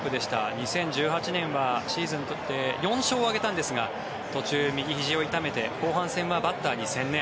２０１８年はシーズンにとって４勝を挙げたんですが途中、右ひじを痛めて後半戦はバッターに専念。